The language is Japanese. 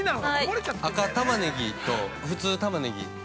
赤タマネギと普通タマネギ。